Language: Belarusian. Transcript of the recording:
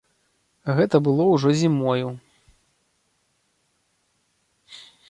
Гэта было ўжо зімою.